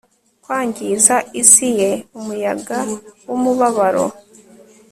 Kwangiza isi ye umuyaga wumubabaro